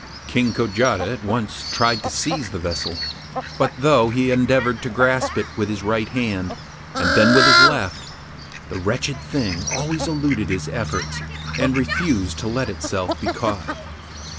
King Kojata at once tried to seize the vessel, but though he endeavoured to grasp it with his right hand, and then with his left, the wretched thing always eluded his efforts and refused to let itself be caught.